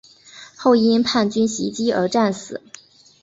后因叛军袭击而战死。